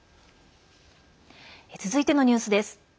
続いてのニュースです。